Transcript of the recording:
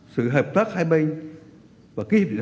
sự hợp tác hai bên và kế hiệp địa hợp